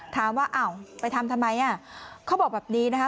ถามว่าอ้าวไปทำทำไมเขาบอกแบบนี้นะคะ